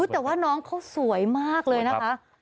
แต่ว่าน้องเขาสวยมากเลยนะคะ